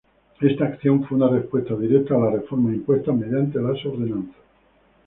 Esta acción fue una respuesta directa a las reformas impuestas mediante las Ordenanzas.